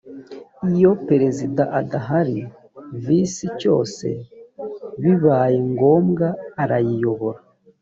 iyo perezida adahari visi cyose bibaye ngombwa arayiyobora